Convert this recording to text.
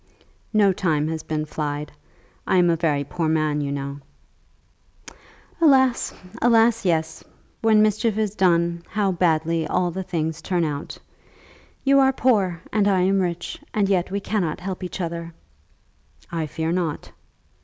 "No time has been fixed. I am a very poor man, you know." "Alas, alas, yes. When mischief is done, how badly all the things turn out. You are poor and I am rich, and yet we cannot help each other." "I fear not."